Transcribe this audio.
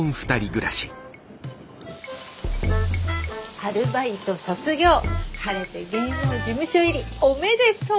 アルバイト卒業晴れて芸能事務所入りおめでとう。